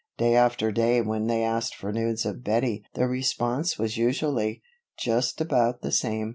Day after day when they asked for news of Bettie the response was usually, "Just about the same."